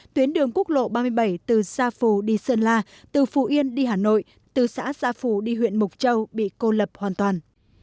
tuyến đường quốc lộ ba mươi bảy từ xa phù đi sơn la từ phù yên đi hà nội từ xã gia phù đi huyện mộc châu bị cô lập hoàn toàn